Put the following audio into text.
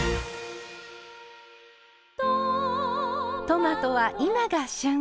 トマトは今が旬。